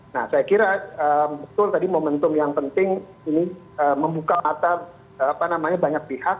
nah saya kira betul tadi momentum yang penting ini membuka mata banyak pihak